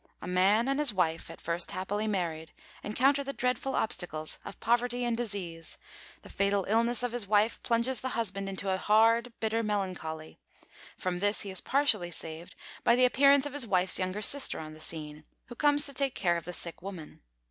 A man and his wife, at first happily married, encounter the dreadful obstacles of poverty and disease; the fatal illness of his wife plunges the husband into a hard, bitter melancholy. From this he is partially saved by the appearance of his wife's younger sister on the scene, who comes to take care of the sick woman.